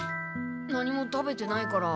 何も食べてないから。